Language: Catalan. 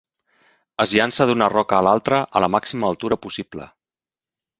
Es llança d'una roca a l'altra a la màxima altura possible.